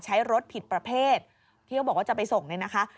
ใช้รถผิดประเภทที่เขาบอกว่าจะไปส่งเนี่ยนะคะ